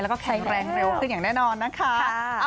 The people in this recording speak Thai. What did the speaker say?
แล้วก็แข็งแรงเร็วขึ้นอย่างแน่นอนนะคะ